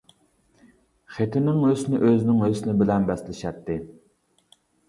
خېتىنىڭ ھۆسنى ئۆزىنىڭ ھۆسنى بىلەن بەسلىشەتتى.